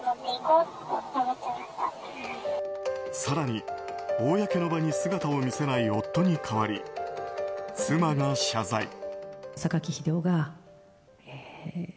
更に公の場に姿を見せない夫に代わり、妻が謝罪。